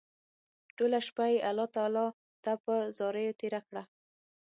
ټوله شپه يې الله تعالی ته په زاريو تېره کړه